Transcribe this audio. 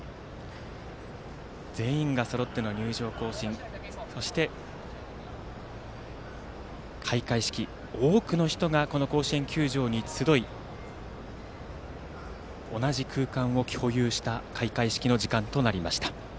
全員がそろっての入場行進そして開会式、多くの人がこの甲子園球場に集い同じ空間を共有した開会式の時間となりました。